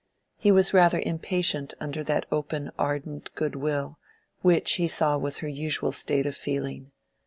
He was rather impatient under that open ardent good will, which he saw was her usual state of feeling.